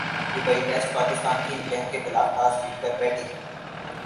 Dubai ٹیسٹپاکستان کی England کیخلاف toss جیت کر بیٹنگ